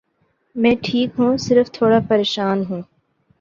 میں ٹھیک ہوں، صرف تھوڑا پریشان ہوں۔